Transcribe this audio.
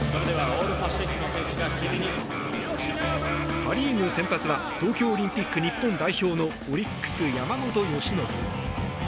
パ・リーグ先発は東京オリンピック日本代表のオリックス、山本由伸。